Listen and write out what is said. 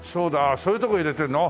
そういうとこ入れてるの？